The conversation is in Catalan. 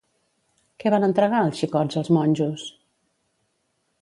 Què van entregar els xicots als monjos?